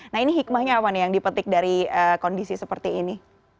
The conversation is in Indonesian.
nah ini hikmahnya apa nih yang dipetik dari kondisi seperti ini